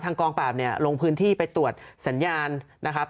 กองปราบเนี่ยลงพื้นที่ไปตรวจสัญญาณนะครับ